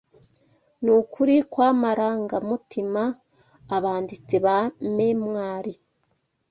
nukuri kwamarangamutima - abanditsi ba memwari